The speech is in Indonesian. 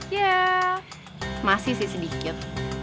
iya masih sih sedikit